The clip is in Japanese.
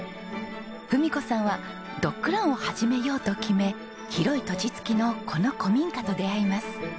文子さんはドッグランを始めようと決め広い土地付きのこの古民家と出会います。